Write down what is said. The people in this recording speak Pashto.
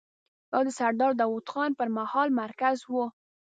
دا د سردار داوود خان پر مهال مرکز و.